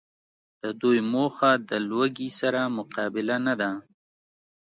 د دوی موخه د لوږي سره مقابله نده